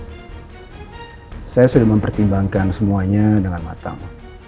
saya sudah mempertimbangkan semuanya dengan matang